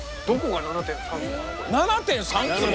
どこが７．３坪？